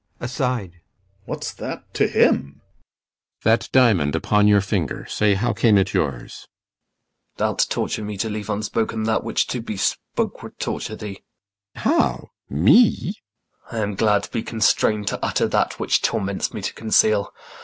POSTHUMUS. [Aside] What's that to him? CYMBELINE. That diamond upon your finger, say How came it yours? IACHIMO. Thou'lt torture me to leave unspoken that Which to be spoke would torture thee. CYMBELINE. How? me? IACHIMO. I am glad to be constrain'd to utter that Which torments me to conceal.